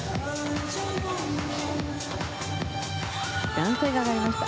男性が上がりました。